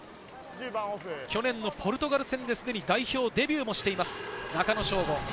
去年のポルトガル戦ですでに代表デビューもしています中野将伍。